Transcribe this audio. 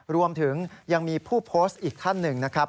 รวมถึงยังมีผู้โพสต์อีกท่านหนึ่งนะครับ